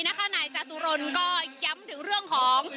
นักข้าวนายจตุรนก็ย้ำถึงเรื่องของ